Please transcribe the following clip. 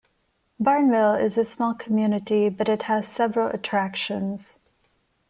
Barnwell is a small community, but it has several attractions.